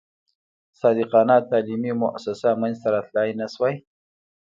صادقانه تعلیمي موسسه منځته راتلای نه شوای.